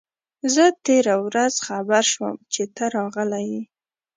زه تېره ورځ خبر شوم چي ته راغلی یې.